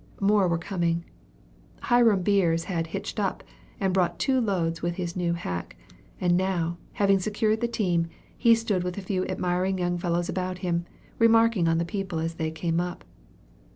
More were coming. Hiram Beers had "hitched up," and brought two loads with his new hack; and now, having secured the team, he stood with a few admiring young fellows about him, remarking on the people as they came up.